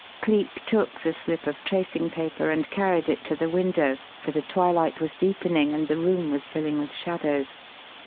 Cleek took the slip of tracing paper and carried it to the window, for the twilight was deepening and the room was filling with shadows.